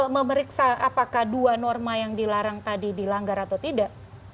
memeriksa apakah dua norma yang dilarang tadi dilanggar atau tidak